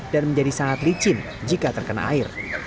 dan menjadi sangat licin jika terkena air